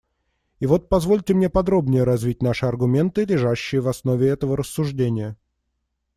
И вот позвольте мне подробнее развить наши аргументы, лежащие в основе этого рассуждения.